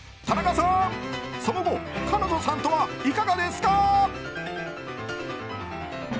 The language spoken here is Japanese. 田中さんその後、彼女さんとはいかがですか？